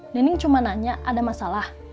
neneng cuma nanya ada masalah